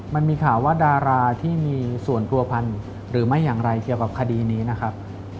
มันมีข่าวว่าดาราที่มีส่วนผัวพันธุ์หรือไม่อย่างไรเกี่ยวกับคดีนี้นะครับ